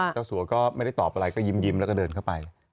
สัวก็ไม่ได้ตอบอะไรก็ยิ้มแล้วก็เดินเข้าไป